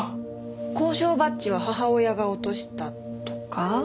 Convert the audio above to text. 校章バッジは母親が落としたとか？